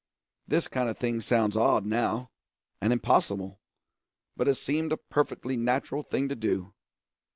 This kind of thing sounds odd now, and impossible, but it seemed a perfectly natural thing to do.